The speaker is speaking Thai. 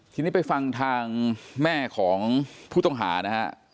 ทีนี้ไปฟังทางแม่ของผู้ต้องหานะฮะ